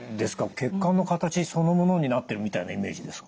血管の形そのものになってるみたいなイメージですか。